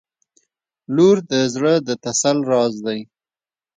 • لور د زړه د تسل راز دی.